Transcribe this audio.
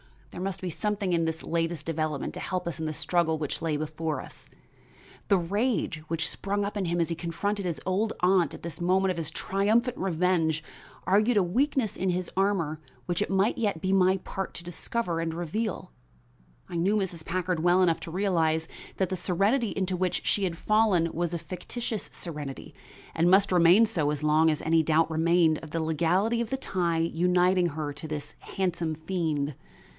There must be something in this latest development to help us in the struggle which lay before us. The rage which sprang up in him as he confronted his old aunt at this moment of his triumphant revenge argued a weakness in his armor which it might yet be my part to discover and reveal. I knew Mrs. Packard well enough to realize that the serenity into which she had fallen was a fictitious serenity, and must remain so as long as any doubt remained of the legality of the tie uniting her to this handsome fiend.